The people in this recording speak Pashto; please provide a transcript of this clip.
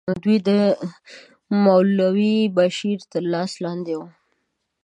دوی د مولوي بشیر تر لاس لاندې وو.